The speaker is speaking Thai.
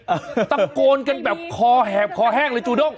ตะโกนกันแบบคอแหบคอแห้งเลยจูด้ง